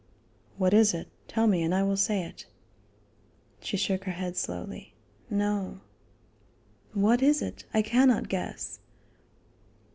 "What is it? Tell me and I will say it." She shook her head slowly: "No." "What is it? I cannot guess."